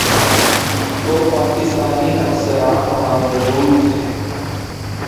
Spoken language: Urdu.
تو پاکستانی افسران وہاں موجود تھے۔